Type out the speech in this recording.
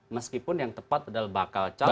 meskipun yang tepat adalah bakal calon